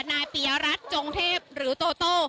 นายปียรัฐจงเทพหรือโตโต้